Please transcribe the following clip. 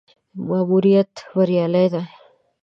ماموریت بریالی دی.